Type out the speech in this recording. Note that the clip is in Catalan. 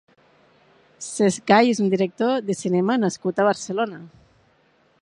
Cesc Gay és un director de cinema nascut a Barcelona.